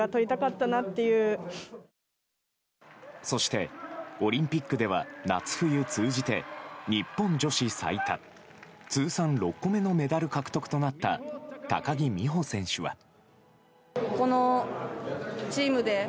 そして、オリンピックでは夏冬通じて日本女子最多通算６個目のメダル獲得となった高木美帆選手は。